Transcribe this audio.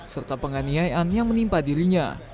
serta penganiayaan yang menimpa dirinya